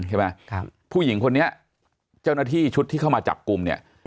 ใช่ไหมครับผู้หญิงคนนี้เจ้าหน้าที่ชุดที่เข้ามาจับกลุ่มเนี่ย